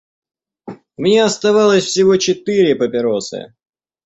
У меня оставалось всего четыре папиросы.